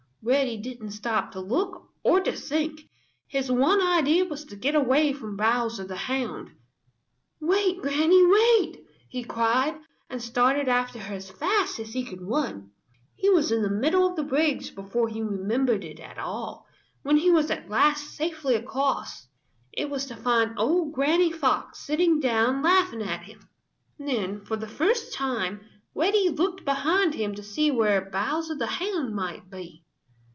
Reddy didn't stop to look or to think. His one idea was to get away from Bowser the Hound. "Wait, Granny! Wait!" he cried, and started after her as fast as he could run. He was in the middle of the bridge before he remembered it at all. When he was at last safely across, it was to find old Granny Fox sitting down laughing at him. Then for the first time Reddy looked behind him to see where Bowser the Hound might be.